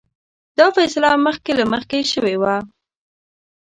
دا فیصله مخکې له مخکې شوې وه.